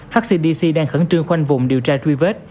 hcdc đang khẩn trương khoanh vùng điều tra truy vết